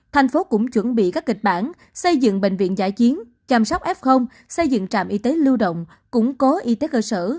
thành phố cũng chuẩn bị các kịch bản xây dựng bệnh viện giải chiến chăm sóc f xây dựng trạm y tế lưu động củng cố y tế cơ sở